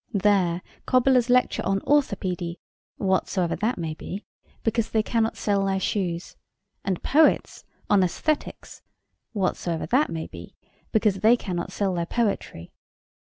There cobblers lecture on orthopedy (whatsoever that may be) because they cannot sell their shoes; and poets on Æsthetics (whatsoever that may be) because they cannot sell their poetry.